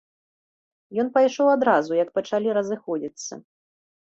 Ён пайшоў адразу, як пачалі разыходзіцца.